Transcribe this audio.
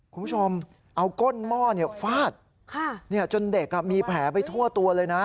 คุณผู้ชมเอาก้นหม้อฟาดจนเด็กมีแผลไปทั่วตัวเลยนะ